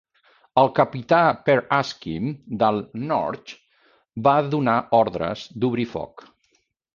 El capità Per Askim, del "Norge", va donar ordres d'obrir foc.